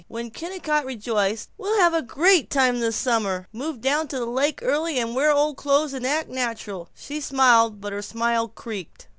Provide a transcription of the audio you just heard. When Kennicott rejoiced, "We'll have a great time this summer; move down to the lake early and wear old clothes and act natural," she smiled, but her smile creaked.